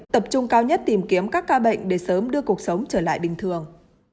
tập trung cao nhất tìm kiếm các ca bệnh để sớm đưa cuộc sống trở lại bình thường